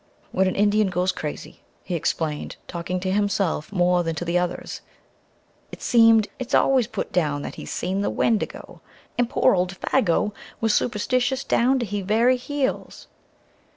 "When an Indian goes crazy," he explained, talking to himself more than to the others, it seemed, "it's always put that he's 'seen the Wendigo.' An' pore old Défaygo was superstitious down to he very heels